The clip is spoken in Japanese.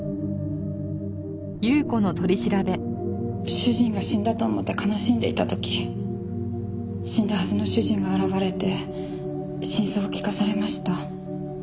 主人が死んだと思って悲しんでいた時死んだはずの主人が現れて真相を聞かされました。